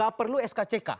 gak perlu skck